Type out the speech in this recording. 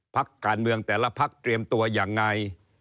พักการเมืองแต่ละพักเตรียมตัวยังไง